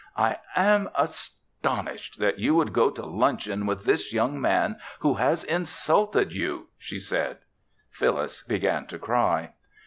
"I am astonished that you would go to luncheon with this young man who has insulted you," she said. Phyllis began to cry.